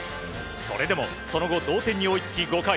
それでもその後、同点に追いつき５回。